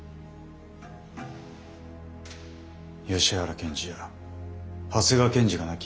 吉原検事や長谷川検事が亡き